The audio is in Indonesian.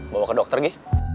bawa ke dokter gi